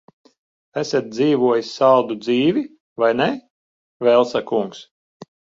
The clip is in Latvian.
Esat dzīvojis saldu dzīvi, vai ne, Velsa kungs?